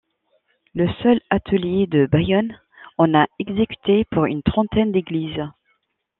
Le seul atelier de Bayonne en a exécuté pour une trentaine d'églises.